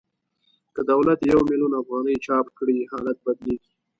که دولت یو میلیون افغانۍ چاپ کړي حالت بدلېږي